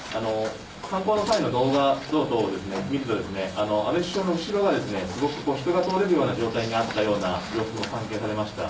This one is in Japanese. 犯行の際の動画等々見ると、安倍首相の後ろが、すごく人が通れるような状態になっていたような様子も散見されました。